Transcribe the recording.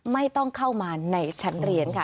ไม่ต้องเข้ามาในชั้นเรียนค่ะ